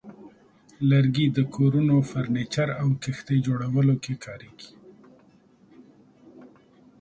لرګي د کورونو، فرنیچر، او کښتۍ جوړولو کې کارېږي.